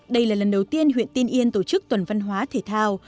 đây là lần đầu tiên huyện tiên yên tổ chức tuần văn hóa thể thao